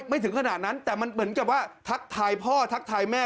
ไม่ถึงขนาดนั้นแต่มันเหมือนกับว่าทักทายพ่อทักทายแม่